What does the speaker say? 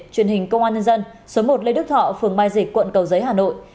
truyền hình công an nhân dân số một lê đức thọ phường mai dịch quận cầu giấy hà nội